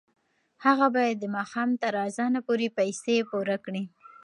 هغه باید د ماښام تر اذانه پورې پیسې پوره کړي.